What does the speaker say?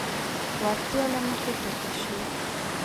وړتیا له مخې ټاکل شوي.